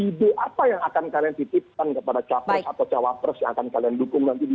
ide apa yang akan kalian titipkan kepada capres atau cawapres yang akan kalian dukung nanti di dua ribu dua puluh empat